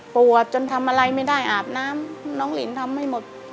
ปวดจนทำอะไรไม่ได้อาบน้ำน้องลินทำไม่หมด